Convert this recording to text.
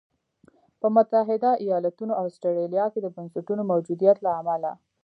په متحده ایالتونو او اسټرالیا کې د بنسټونو موجودیت له امله.